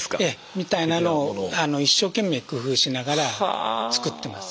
みたいなのを一生懸命工夫しながら作ってます。